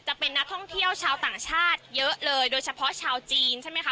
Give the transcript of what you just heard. จะเป็นนักท่องเที่ยวชาวต่างชาติเยอะเลยโดยเฉพาะชาวจีนใช่ไหมคะ